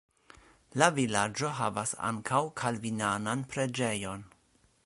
La vilaĝo havas ankaŭ kalvinanan preĝejon.